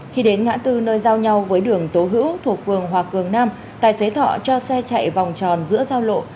khi đến ngã tư nơi giao nhau với đường tố hữu thuộc phường hòa cường nam tài xế thọ cho xe chạy vòng tròn giữa giao lộ